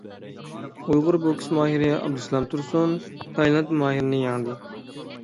ئۇيغۇر بوكس ماھىرى ئابدۇسالام تۇرسۇن تايلاند ماھىرىنى يەڭدى.